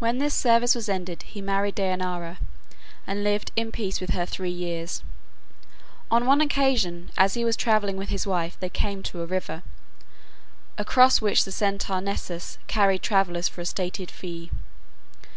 When this service was ended he married Dejanira and lived in peace with her three years. On one occasion as he was travelling with his wife, they came to a river, across which the Centaur Nessus carried travellers for a stated fee.